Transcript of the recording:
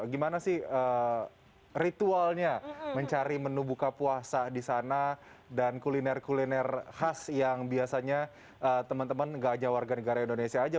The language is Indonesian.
gimana sih ritualnya mencari menu buka puasa di sana dan kuliner kuliner khas yang biasanya teman teman gak hanya warga negara indonesia aja